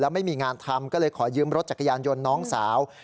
ไม่มีงานทำก็เลยขอยืมรถจักรยานยนต์น้องสาว